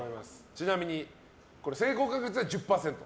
ちなみに成功確率は１０％。